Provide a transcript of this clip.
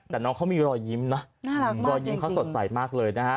แต่น้องเขามีรอยยิ้มนะน่ารักรอยยิ้มเขาสดใสมากเลยนะฮะ